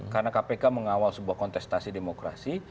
karena kpk mengawal sebuah kontestasi demokrasi